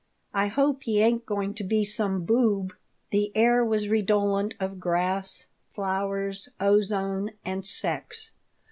I hope he ain't going to be some boob." The air was redolent of grass, flowers, ozone, and sex.